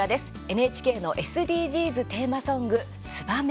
ＮＨＫのＳＤＧｓテーマソング「ツバメ」。